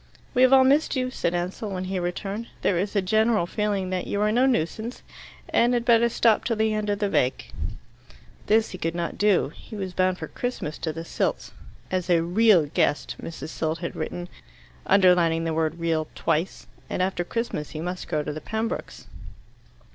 "We have all missed you," said Ansell, when he returned. "There is a general feeling that you are no nuisance, and had better stop till the end of the vac." This he could not do. He was bound for Christmas to the Silts "as a REAL guest," Mrs. Silt had written, underlining the word "real" twice. And after Christmas he must go to the Pembrokes.